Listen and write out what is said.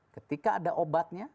ketika ada obatnya